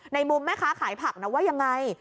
มุมแม่ค้าขายผักนะว่ายังไง